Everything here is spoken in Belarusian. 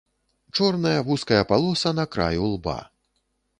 Чорная вузкая палоса на краю лба.